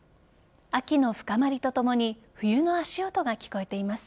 秋の深まりとともに冬の足音が聞こえています。